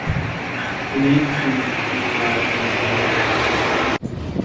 The name is believed to be derived from the Khmer language.